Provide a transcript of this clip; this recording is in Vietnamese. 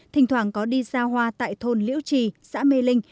thỉnh thoảng có đi ra hoa tại thôn liễu trì xã mê linh